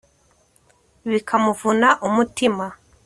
bikamuvuna umutima